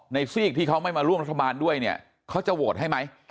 ซีกที่เขาไม่มาร่วมรัฐบาลด้วยเนี่ยเขาจะโหวตให้ไหม